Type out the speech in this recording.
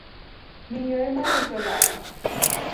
Miyo ema rito dala.